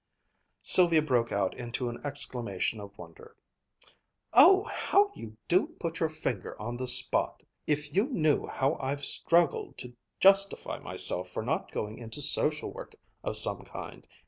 Sylvia broke out into an exclamation of wonder. "Oh, how you do put your finger on the spot! If you knew how I've struggled to justify myself for not going into 'social work' of some kind!